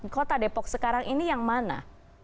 kota depok sekarang ini yang mana